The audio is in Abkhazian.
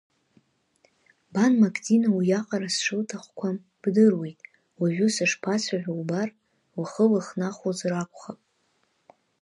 Бан Мактина уиаҟара сшылҭахқәам бдыруеит, уажәы сышбацәажәо лбар, лхы лыхнахуазар акәхап.